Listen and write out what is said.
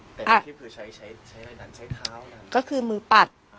ใช้ใช้ใช้ใช้เท้าดันก็คือมือปัด